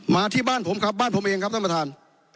มาที่บ้านผมครับบ้านผมเองครับท่านประธาน